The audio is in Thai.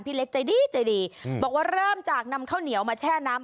เล็กใจดีใจดีบอกว่าเริ่มจากนำข้าวเหนียวมาแช่น้ำ